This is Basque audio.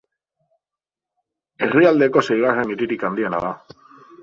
Herrialdeko seigarren hiririk handiena da.